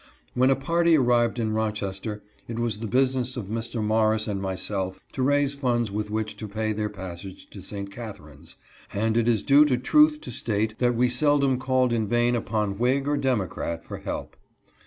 When a party arrived in Rochester it was the business of Mr. Morris and my self to raise funds with which to pay their passage to St. Catharines, and it is due to truth to state that we seldom called in vain upon whig or democrat for help.